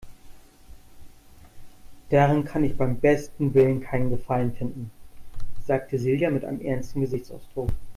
Daran kann ich beim besten Willen keinen Gefallen finden, sagte Silja mit einem ernsten Gesichtsausdruck.